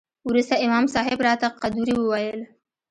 وروسته امام صاحب راته قدوري وويل.